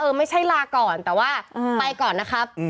ไม่ใช่ลาก่อนแต่ว่าไปก่อนนะครับ